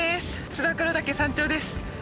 燕岳山頂です。